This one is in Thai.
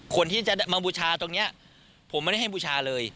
คนที่จะมาบูชาตรงนี้ผมไม่ได้ให้บูชาเลย